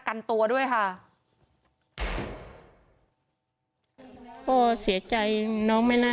กังฟูเปล่าใหญ่มา